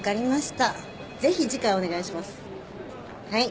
はい。